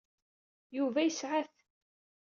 Yuba yesɛa-t.